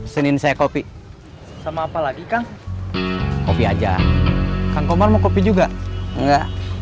senin saya kopi sama apalagi kan kopi aja kan komar mau kopi juga enggak